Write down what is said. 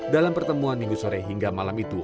dalam pertemuan minggu sore hingga malam itu